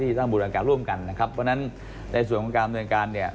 ต้องบูรณการร่วมกันนะครับเพราะฉะนั้นในส่วนของการดำเนินการเนี่ย